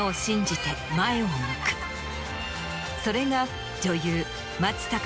それが女優。